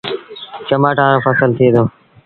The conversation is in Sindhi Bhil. چمآٽآن رو ڦسل ٿئي دو۔